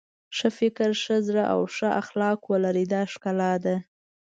ښه فکر ښه زړه او ښه اخلاق ولرئ دا ښکلا ده.